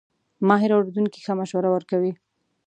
ماهر اورېدونکی ښه مشوره ورکوي.